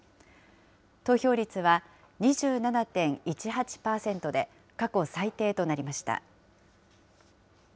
投票率は２７．１８％で、過去最低となりました。